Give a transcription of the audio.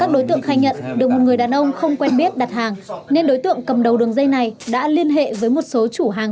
đàn ông không quen biết đặt hàng nên đối tượng cầm đầu đường dây này đã liên hệ với một số chủ hàng